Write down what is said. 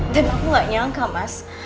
dan aku gak nyangka mas